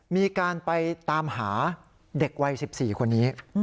มีการไปตามหาเด็กวัย๑๔คนนี้